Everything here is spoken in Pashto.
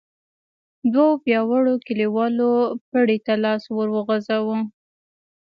دوو پياوړو کليوالو پړي ته لاس ور وغځاوه.